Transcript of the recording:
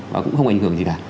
và cũng không ảnh hưởng gì cả